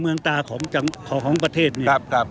เมืองตาของประเทศนี่